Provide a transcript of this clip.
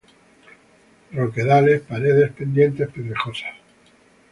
Roquedales, paredes, pendientes pedregosas.